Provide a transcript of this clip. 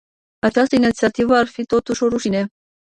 Această inițiativă ar fi totuși o rușine.